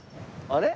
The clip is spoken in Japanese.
あれ？